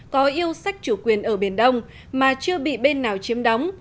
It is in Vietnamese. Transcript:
có yêu sách chủ quyền ở biển đông mà chưa bị bên nào chiếm đóng